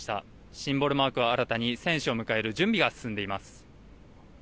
シンボルマークを新たに選手を迎え入れる準備が進んでいます。